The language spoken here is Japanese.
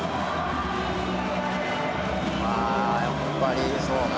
「ああやっぱりそうだな。